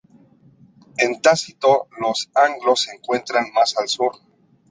En Tácito los anglos se encuentran más al sur.